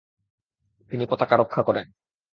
তিনি পতাকা রক্ষা করেন।